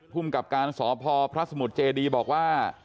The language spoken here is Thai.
ภูมิกับการสอบพอพระสมุทรเจดีบอกว่า